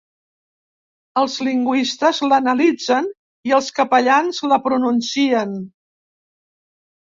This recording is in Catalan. Els lingüistes l'analitzen i els capellans la pronuncien.